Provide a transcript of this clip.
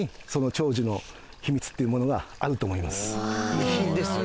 遺品ですよ